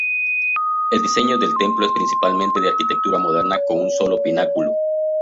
El diseño del templo es principalmente de arquitectura moderna con un solo pináculo.